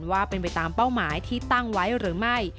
ว่าเป็นไปตามเป้าหมายที่ตั้งไว้หรือไม่